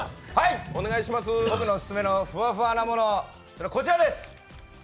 僕のオススメのフワフワなものはこちらです。